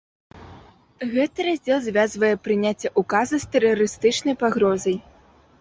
Гэты раздзел звязвае прыняцце ўказа з тэрарыстычнай пагрозай.